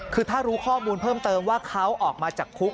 คือถ้ารู้ข้อมูลเพิ่มเติมว่าเขาออกมาจากคุก